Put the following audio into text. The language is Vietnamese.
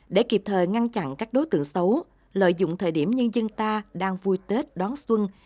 để kịp thời ngăn chặn các đối tượng xấu lợi dụng thời điểm nhân dân ta đang vui tết đón xuân